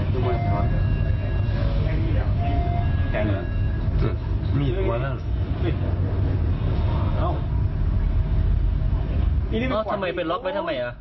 ทำไมเป็นล็อคไว้ทำไม